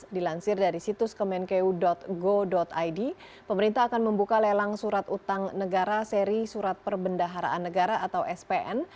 dilansir dari situs kemenkeu go id pemerintah akan membuka lelang surat utang negara seri surat perbendaharaan negara atau spn